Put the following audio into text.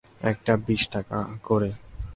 একটা বিশ টাকা করে।